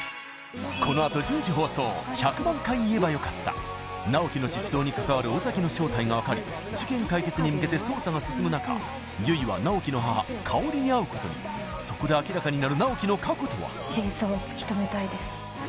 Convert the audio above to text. このあと１０時放送「１００万回言えばよかった」直木の失踪に関わる尾崎の正体が分かり事件解決に向けて捜査が進む中悠依は直木の母佳織に会うことにそこで明らかになる直木の過去とは真相を突き止めたいです